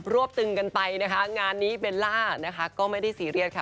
วบตึงกันไปนะคะงานนี้เบลล่านะคะก็ไม่ได้ซีเรียสค่ะ